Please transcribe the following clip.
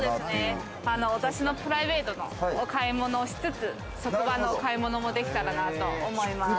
私のプライベートのお買い物をしつつ、職場の買い物もできたらなと思います。